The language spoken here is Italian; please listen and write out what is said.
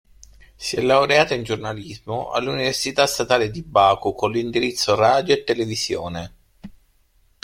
Si è laureata in giornalismo all'Università statale di Baku con indirizzo "Radio e televisione".